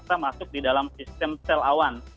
ternyata terpaksa masuk di dalam sistem sel awan